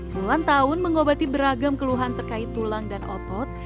puluhan tahun mengobati beragam keluhan terkait tulang dan otot